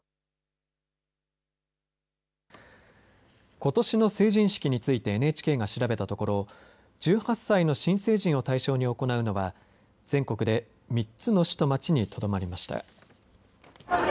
ことしの成人式についてＮＨＫが調べたところ１８歳の新成人を対象に行うのは全国で３つの市と町にとどまりました。